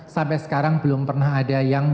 sampai sekarang belum pernah ada yang